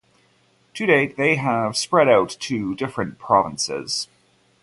To date, they have spread out to different provinces.